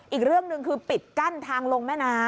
อีกเรื่องหนึ่งคือปิดกั้นทางลงแม่น้ำ